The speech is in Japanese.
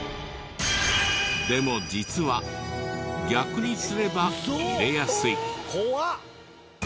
でも実は逆にすれば入れやすい。